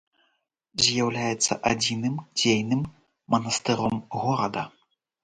З'яўляецца адзіным дзейным манастыром горада.